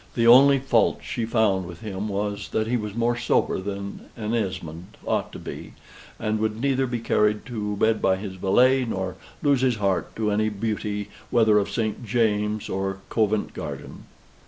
The only fault she found with him was, that he was more sober than an Esmond ought to be; and would neither be carried to bed by his valet, nor lose his heart to any beauty, whether of St. James's or Covent Garden.